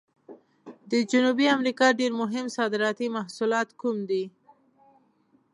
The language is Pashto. د جنوبي امریکا ډېر مهم صادراتي محصولات کوم دي؟